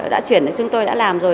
đã chuyển đến chúng tôi đã làm rồi